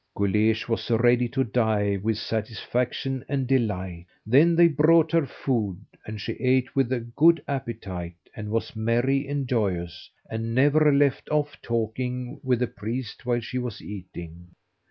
Guleesh was ready to die with satisfaction and delight. Then they brought her food, and she ate with a good appetite, and was merry and joyous, and never left off talking with the priest while she was eating.